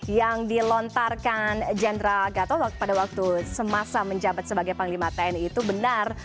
yang dilontarkan jenderal gatot pada waktu semasa menjabat sebagai panglima tni itu benar